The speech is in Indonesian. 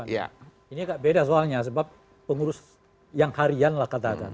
ini agak beda soalnya sebab pengurus yang harian lah katakan